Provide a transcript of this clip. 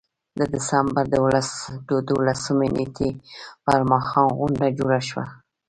د ډسمبر د دولسمې نېټې پر ماښام غونډه جوړه شوه.